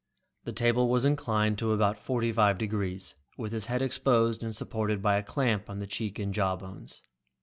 The table was inclined to about forty five degrees, with his head exposed and supported by a clamp on the cheek and jaw bones.